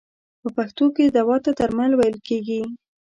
په پښتو کې دوا ته درمل ویل کیږی.